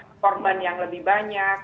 performan yang lebih banyak